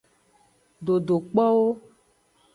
Dodokpowo.